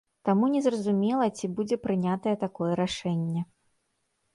Таму незразумела, ці будзе прынятае такое рашэнне.